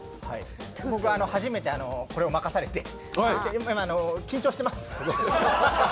僕は初めてこれを任されて、緊張してます。